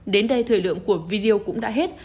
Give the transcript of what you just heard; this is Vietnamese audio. đến đây thời lượng của video cũng đã hết